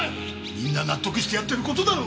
みんな納得してやってる事だろうが！